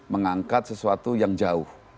mengangkat sesuatu yang jauh